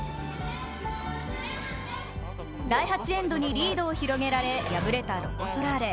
第８エンドにリードを広げられ敗れたロコ・ソラーレ。